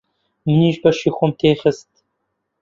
منیش بەشی خۆم تێ خست.